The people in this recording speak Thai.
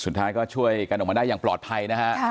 สุดท้ายก็ช่วยกันออกมาได้อย่างปลอดภัยนะฮะ